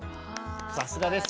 さすがです。